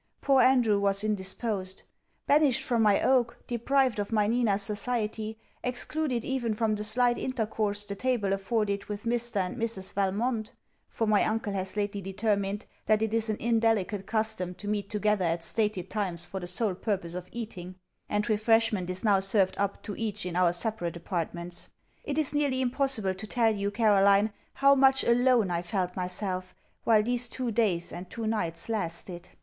Poor Andrew was indisposed. Banished from my oak, deprived of my Nina's society, excluded even from the slight intercourse the table afforded with Mr. and Mrs. Valmont (for my uncle has lately determined, that it is an indelicate custom to meet together at stated times for the sole purpose of eating; and refreshment is now served up to each in our separate apartments) it is nearly impossible to tell you, Caroline, how much alone I felt myself, while these two days and two nights lasted.